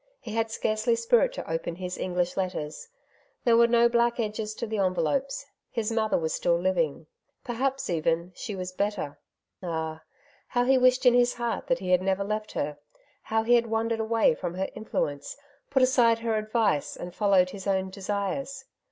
He had scarcely spirit to open his English letters. There were no black edges to the envelopes— his mother was still living; per hap s, even, she was better. Ah! how he wished in his heart that he had never left her. How he had wandered away from her influence, put aside her advice, and followed his own desires!